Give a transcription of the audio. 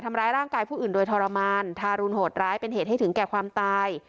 ทำร้ายร่างกายผู้อื่นโดยทรมานทารุณโหดร้ายเป็นเหตุให้ถึงแก่ความตาย